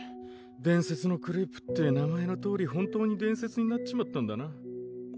「伝説のクレープ」って名前のとおり本当に伝説になっちまったんだな